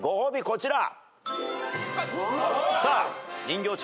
こちら。